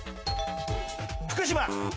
福島！